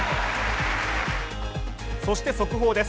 そして速報です。